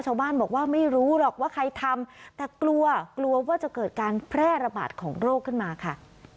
ชาวบ้านบอกว่าไม่รู้หรอกว่าใครทำแต่กลัวกลัวว่าจะเกิดการแพร่ระบาดของโรคขึ้นมาค่ะ